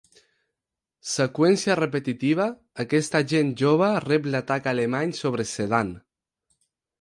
Seqüència repetitiva, aquesta gent jove rep l'atac alemany sobre Sedan.